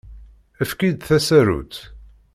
Efk-iyi-d tasarut.